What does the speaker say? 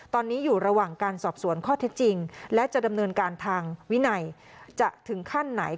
ตอนนี้อยู่ระหว่างการสอบสวนข้อเท็จจริงและจะดำเนินการทางวินัยจะถึงขั้นไหน